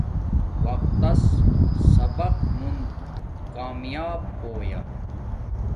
وقت تس سبق مون کامیاپ ہو یا